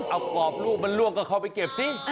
เอากรอบลูกมันล่วงก็เข้าไปเก็บสิ